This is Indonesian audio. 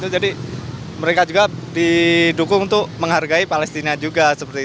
jadi mereka juga didukung untuk menghargai palestina juga